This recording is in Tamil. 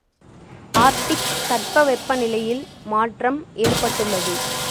ஆர்க்டிக் தட்ப வெப்ப நிலையில் மாற்றம் ஏற்பட்டுள்ளது.